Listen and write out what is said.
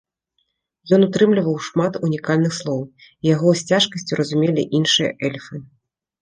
Ён утрымліваў шмат унікальных слоў і яго з цяжкасцю разумелі іншыя эльфы.